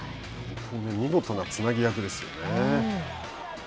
見事なつなぎ役ですよね。